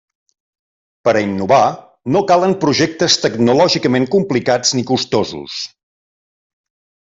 Per a innovar no calen projectes tecnològicament complicats ni costosos.